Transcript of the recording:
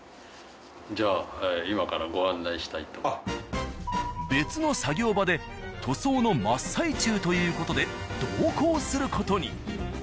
じゃあ別の作業場で塗装の真っ最中という事で同行する事に。